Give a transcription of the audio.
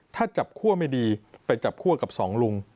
ถ้าจับคั่วไม่ดีไปจับคั่วกับสองลุง